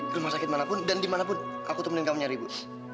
rumah sakit manapun dan dimanapun aku tumpulin kamu nyari ibu